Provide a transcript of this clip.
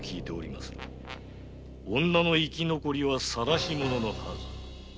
女の生き残りは「晒し者」のはず